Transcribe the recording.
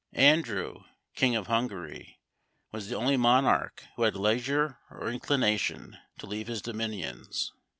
Andrew king of Hungary was the only monarch who had leisure or inclination to leave his dominions.